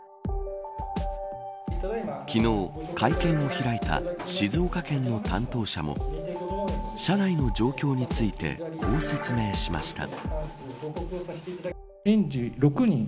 昨日、会見を開いた静岡県の担当者も車内の状況についてこう説明しました。